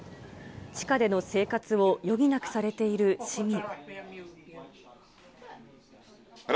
地下での生活を余儀なくされている市民。